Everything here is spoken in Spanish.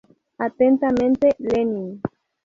Atentamente, Lenin.